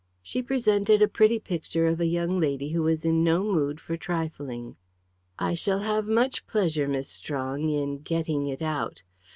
She presented a pretty picture of a young lady who was in no mood for trifling. "I shall have much pleasure, Miss Strong, in getting it out.